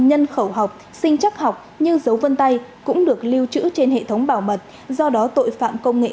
nhân khẩu học sinh chắc học nhưng dấu vân tay cũng được lưu trữ trên hệ thống bảo mật do đó tội phạm công nghệ